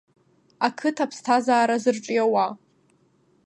Ақыҭа аԥсҭазаара зырҿиауа.